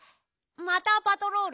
またパトロール？